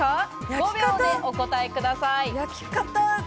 ５秒でお答えください。